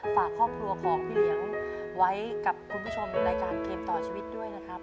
ฝากครอบครัวของพี่เลี้ยงไว้กับคุณผู้ชมในรายการเกมต่อชีวิตด้วยนะครับ